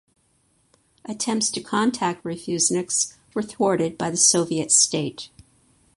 Attempts to contact refuseniks were thwarted by the Soviet state.